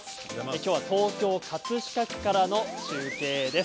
きょうは東京・葛飾区からの中継です。